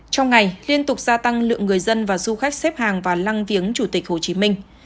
trong ngày liên tục gia tăng lượng người dân và du khách xếp hàng vào lăng viếng chủ tịch hồ chí minh